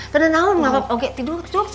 karena nau ngerum oke tidur tidur